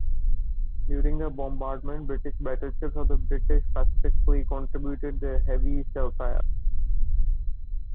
During that bombardment, British battleships of the British Pacific Fleet contributed their heavy shellfire.